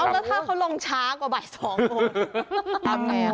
เอาแล้วถ้าเขาลงช้ากว่าบ่ายสองฮ่าฮ่าฮ่าไม่ต้องกลัว